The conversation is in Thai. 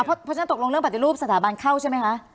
เพราะฉะนั้นตกลงเรื่องปฏิรูปสถาบันเข้าใช่ไหมคะ